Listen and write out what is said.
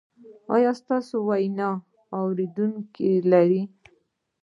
ایا ستاسو ویناوې اوریدونکي لري؟